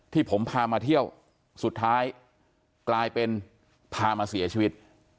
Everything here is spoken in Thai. ที่ผมพามาเที่ยวสุดท้ายกลายเป็นพามาเสียชีวิต